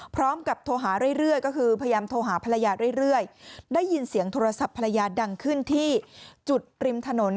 พร้อมกับโทรหาเรื่อยก็คือพยายามโทรหาภรรยาเรื่อยได้ยินเสียงโทรศัพท์ภรรยาดังขึ้นที่จุดริมถนน